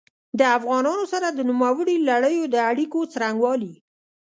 د افغانانو سره د نوموړي لړیو د اړیکو څرنګوالي.